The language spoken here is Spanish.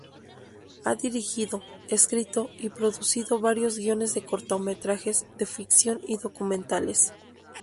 Ha dirigido, escrito y producido varios guiones de cortometrajes de ficción y documentales.